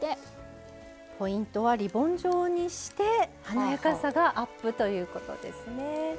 ポイントはリボン状にして華やかさがアップということですね。